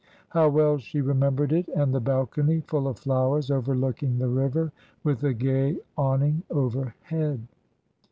How well she remembered it! and the balcony full of flowers overlooking the river, with a gay awning overhead.